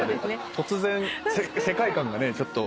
突然世界観がねちょっと。